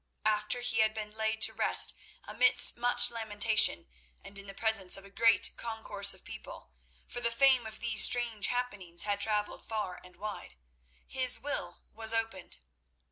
After he had been laid to rest amidst much lamentation and in the presence of a great concourse of people, for the fame of these strange happenings had travelled far and wide, his will was opened.